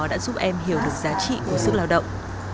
đã giúp em hiểu được giá trị của sức lao động